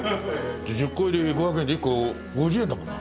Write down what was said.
１０個入り５００円で１個５０円だもんな。